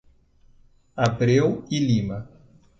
Abreu e Lima